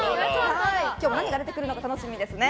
今日は何が出てくるのか楽しみですね。